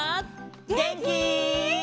げんき？